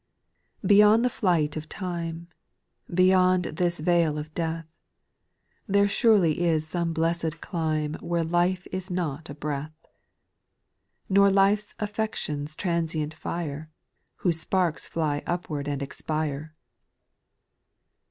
2. Beyond the flight of time, Beyond this vale of death. There surely is some blessed clime Where life is not a breath, Nor life's afiections transient fire, Whose sparks fly upward and expire